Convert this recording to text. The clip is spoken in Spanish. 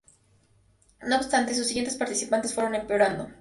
No obstante, sus siguientes participaciones fueron empeorando.